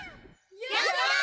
やった！